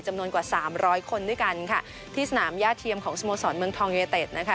จำนวนกว่า๓๐๐คนด้วยกันค่ะที่สนามย่าเทียมของสมสรรค์เมืองทองเยเตศนะคะ